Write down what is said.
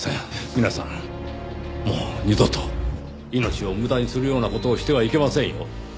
皆さんもう二度と命を無駄にするような事をしてはいけませんよ。